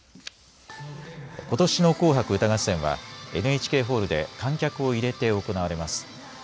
ことしの紅白歌合戦は、ＮＨＫホールで観客を入れて行われます。